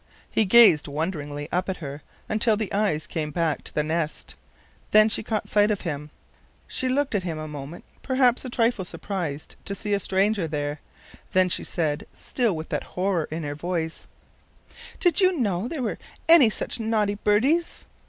He gazed wonderingly up at her until the eyes came back to the nest; then she caught sight of him. She looked at him a moment, perhaps a trifle surprised to find a stranger there, then she said, still with that horror in her voice: "Did you know there were any such naughty birdies?"